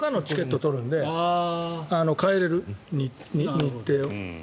変更可のチケットを取るので帰れる日程を。